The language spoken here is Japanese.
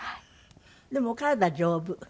でもお体丈夫？